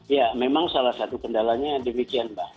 ya memang salah satu kendalanya demikian mbak